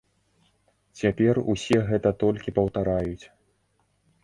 Цяпер усе гэта толькі паўтараюць.